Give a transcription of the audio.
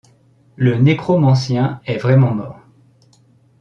Le Nécromancien est vraiment mort.